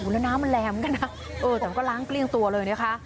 แล้วน้ำมันแรงเหมือนกันนะแต่มันก็ล้างเกลี้ยงตัวเลยนะคะ